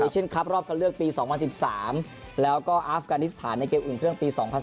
เช่นครับรอบเข้าเลือกปี๒๐๑๓และก็อฝิการิสตาลในเกมอุ่นเพื่องปี๒๐๑๕